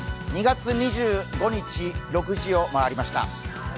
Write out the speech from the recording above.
２月２５日、６時を回りました。